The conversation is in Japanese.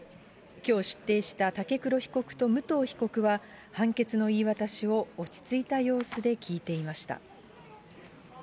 きょう、出廷した武黒被告と武藤被告は、判決の言い渡しを落ち着いた様子で聞いていました。